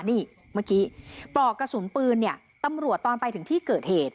นี่เมื่อกี้ปลอกกระสุนปืนเนี่ยตำรวจตอนไปถึงที่เกิดเหตุ